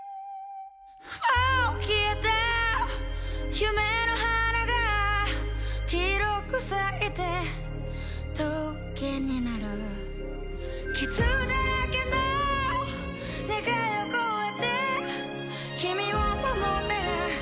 もう消えた夢の花が黄色く咲いて棘になる傷だらけの願いを超えて君を守れる？